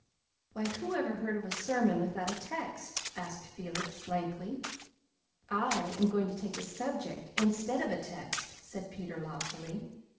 "Why, who ever heard of a sermon without a text?" asked Felix blankly. "I am going to take a SUBJECT instead of a text," said Peter loftily.